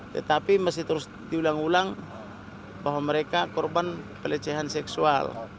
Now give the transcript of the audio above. tetapi masih terus diulang ulang bahwa mereka korban pelecehan seksual